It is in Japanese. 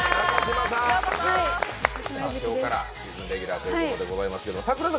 今日からシーズンレギュラーということでございますけど櫻坂